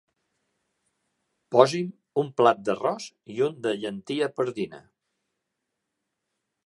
Posi'm un plat d'arròs i un de llentia pardina.